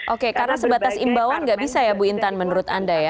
oke karena sebatas imbauan nggak bisa ya bu intan menurut anda ya